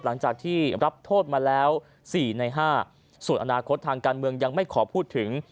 หลังจากที่รับโทษมาแล้ว๔ใน๕ส่วนอนาคตทางการเมืองยังไม่ขอพูดถึง